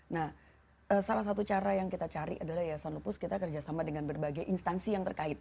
nah salah satu cara yang kita cari adalah yayasan lupus kita kerjasama dengan berbagai instansi yang terkait